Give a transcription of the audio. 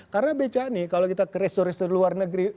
karena becak ini kalau kita ke restoran luar negeri